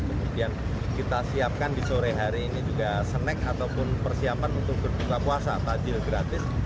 kemudian kita siapkan di sore hari ini juga snack ataupun persiapan untuk berbuka puasa takjil gratis